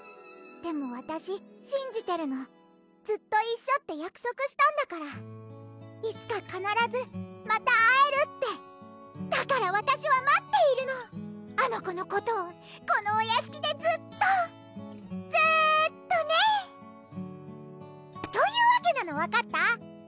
でもわたししんじてるのずっと一緒って約束したんだからいつかかならずまた会えるってだからわたしは待っているのあの子のことをこのお屋敷でずっとずーっとねというわけなの分かった？